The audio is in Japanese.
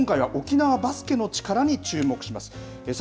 今回は沖縄バスケの力に注目します。